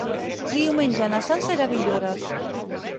Diumenge na Sança irà a Villores.